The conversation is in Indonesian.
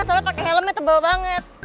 soalnya pakai helmnya tebal banget